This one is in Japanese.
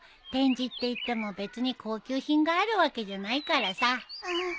展示っていっても別に高級品があるわけじゃないからさ。